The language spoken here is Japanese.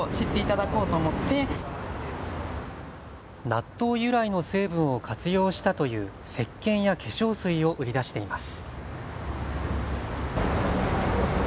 納豆由来の成分を活用したというせっけんや化粧水を売り出しています。